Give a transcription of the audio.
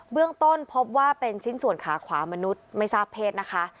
เรื่องต้นพบว่าเป็นชิ้นส่วนขาขวามนุษย์ไม่ทราบเพศนะคะ